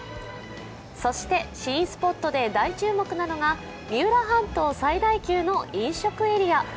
そして、新スポットで大注目なのが三浦半島最大級の飲食エリア。